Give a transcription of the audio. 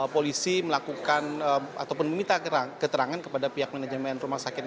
polisi melakukan ataupun meminta keterangan kepada pihak manajemen rumah sakit